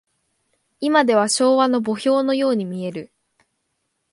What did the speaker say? いまでは昭和の墓標のように見える。